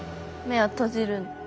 目を閉じる。